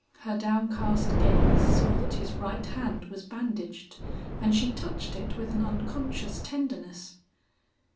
Her downcast gaze saw that his right hand was bandaged, and she touched it with an unconscious tenderness.